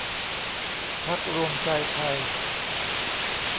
พรรครวมใจไทย